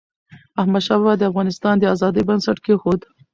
احمدشاه بابا د افغانستان د ازادی بنسټ کېښود.